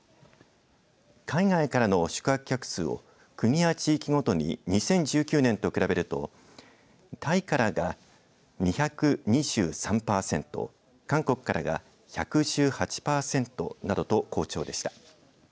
海外からの宿泊客数を国や地域ごとに２０１９年と比べるとタイからが２２３パーセント韓国からが１１８パーセントなどと好調でした。